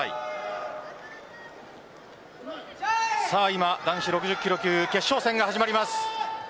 今男子６０キロ級決勝戦が始まります。